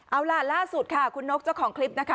เอาล่ะล่าสุดค่ะคุณนกเจ้าของคลิปนะคะ